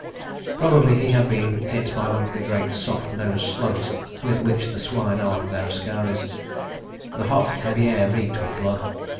Probably he had been hit by one of the great soft nosed slugs with which the swine armed their askaris. The hot, heavy air reeked with blood.